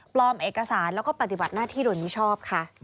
เอกสารแล้วก็ปฏิบัติหน้าที่โดยมิชอบค่ะ